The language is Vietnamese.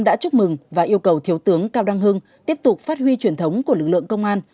đã chúc mừng và yêu cầu thiếu tướng cao đăng hưng tiếp tục phát huy truyền thống của lực lượng công an